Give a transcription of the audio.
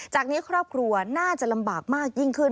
จากนี้ครอบครัวน่าจะลำบากมากยิ่งขึ้น